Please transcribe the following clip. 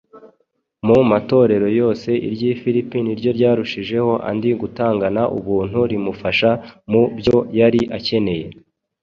Mu matorero yose iry’i Filipi ni ryo ryarushije andi gutangana ubuntu rimufasha mu byo yari akeneye